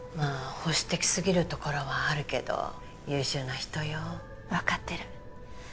保守的すぎるところはあるけど優秀な人よ分かってる